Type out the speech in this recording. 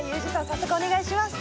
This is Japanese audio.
早速お願いします。